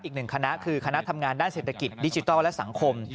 อีกหนึ่งคณะคือคณะทำงานด้านเศรษฐกิจดิจิทัลและสังคม